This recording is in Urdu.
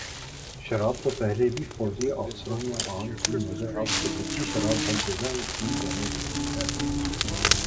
شراب تو پہلے بھی فوجی آفیسروں میں عام تھی مگر اب تو کچی شراب ہر جگہ پی جانے لگی ہے